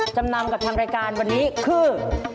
จำนำกับทางรายการวันนี้คือ